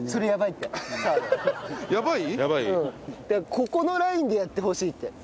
ここのラインでやってほしいって。